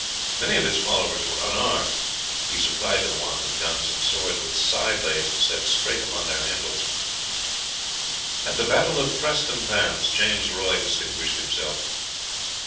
Many of his followers were unarmed; he supplied the want of guns and swords with scythe blades set straight upon their handles. At the battle of Prestonpans, James Roy distinguished himself.